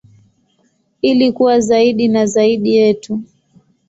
Ili kuwa zaidi na zaidi yetu.